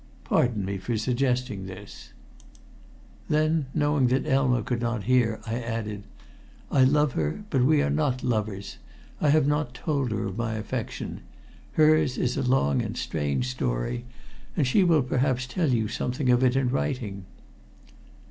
Pardon me for suggesting this." "You have guessed correctly," I answered. Then, knowing that Elma could not hear, I added: "I love her, but we are not lovers. I have not told her of my affection. Hers is a long and strange story, and she will perhaps tell you something of it in writing."